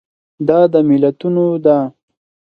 دا د ملتونو ده.